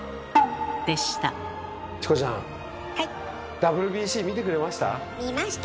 ＷＢＣ見てくれました？